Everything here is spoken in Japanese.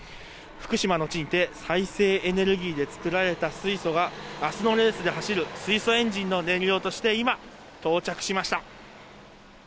福島の地にて再生エネルギーで作られた水素があすのレースで走る水素エンジンの燃料として今到着しました。